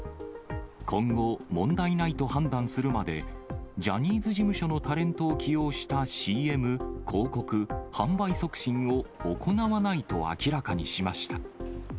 今後、問題ないと判断するまで、ジャニーズ事務所のタレントを起用したＣＭ、広告、販売促進を行わないと明らかにしました。